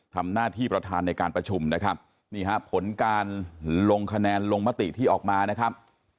ทำหน้าที่ประธานในการประชุมนะครับนี่ฮะผลการลงคะแนนลงมติที่ออกมานะครับ